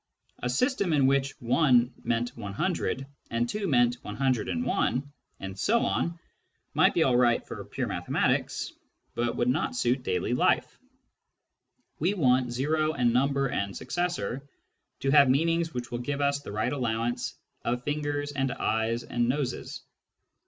A system in which " 1 " meant 100, and " 2 " meant 101, and so on, might be all right for pure mathematics, but would not suit daily life. We want " o " and " number " and " successor " to have meanings which will give us the right allowance of fingers and eyes and noses.